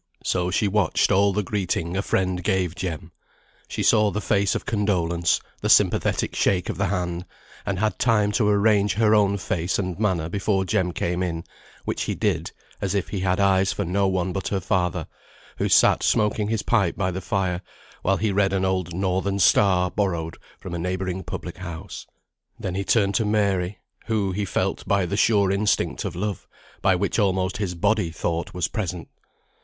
So she watched all the greeting a friend gave Jem; she saw the face of condolence, the sympathetic shake of the hand, and had time to arrange her own face and manner before Jem came in, which he did, as if he had eyes for no one but her father, who sat smoking his pipe by the fire, while he read an old "Northern Star," borrowed from a neighbouring public house. Then he turned to Mary, who, he felt by the sure instinct of love, by which almost his body thought, was present.